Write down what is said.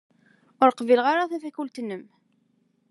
Ur qbileɣ ara tafakult-nnem.